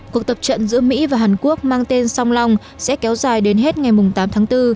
cuộc tập trận giữa mỹ và hàn quốc mang tên song long sẽ kéo dài đến hết ngày tám tháng bốn